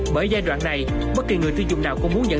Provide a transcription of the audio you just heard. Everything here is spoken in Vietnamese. bởi giai đoạn này bất kỳ người tiêu dùng nào cũng muốn nhận được hàng